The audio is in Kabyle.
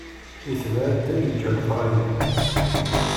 Itbeε addal, iǧǧa leqraya.